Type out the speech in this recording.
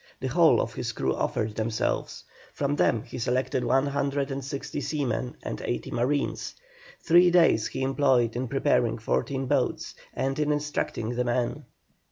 The whole of his crews offered themselves. From them he selected 160 seamen and 80 marines. Three days he employed in preparing fourteen boats, and in instructing the men.